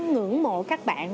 ngưỡng mộ các bạn